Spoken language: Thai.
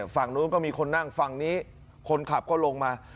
ฝั่งนู้นก็มีคนนั่งฝั่งนี้คนขับก็ลงมา